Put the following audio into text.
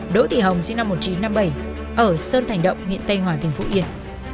đỗ thị hồng sinh năm một nghìn chín trăm năm mươi bảy ở sơn thành động huyện tây hòa tỉnh phú yên